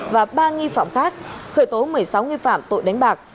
và ba nghi phạm khác khởi tố một mươi sáu nghi phạm tội đánh bạc